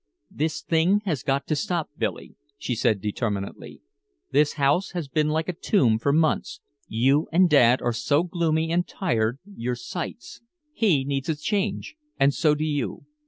"This thing has got to stop, Billy," she said determinedly. "This house has been like a tomb for months, you and Dad are so gloomy and tired you're sights. He needs a change, and so do you.